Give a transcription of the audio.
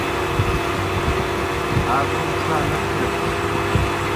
آ کوْم څھا نہ تھیتَس بوْ